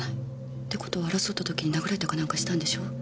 って事は争った時に殴られたかなんかしたんでしょ？